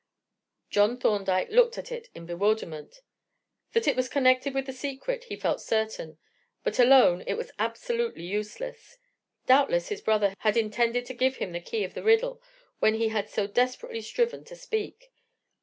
John Thorndyke looked at it in bewilderment; that it was connected with the secret he felt certain, but alone it was absolutely useless. Doubtless his brother had intended to give him the key of the riddle, when he had so desperately striven to speak.